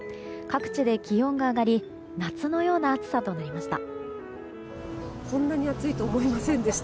各地で気温が上がり夏のような暑さとなりました。